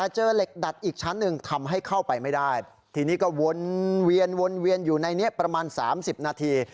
เจอเหล็กดัดอีกชั้นหนึ่งทำให้เข้าไปไม่ได้ทีนี้ก็วนเวียนวนเวียนอยู่ในนี้ประมาณ๓๐นาที